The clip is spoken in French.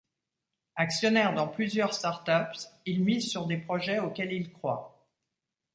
Actionnaire dans plusieurs startups, il mise sur des projets auxquels il croit.